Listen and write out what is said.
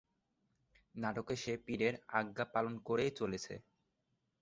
নাটকে সে পীরের আজ্ঞা পালন করেই চলেছে।